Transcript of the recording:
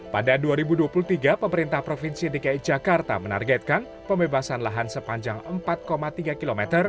pada dua ribu dua puluh tiga pemerintah provinsi dki jakarta menargetkan pembebasan lahan sepanjang empat tiga km